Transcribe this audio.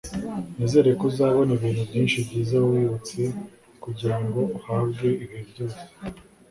nizere ko uzabona ibintu byinshi byiza wibutse kugirango uhabwe ibihe byose